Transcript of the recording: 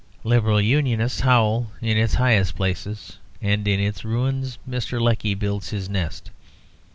Liberal Unionists howl in its high places, and in its ruins Mr. Lecky builds his nest.